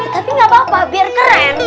tapi gak apa apa biar keren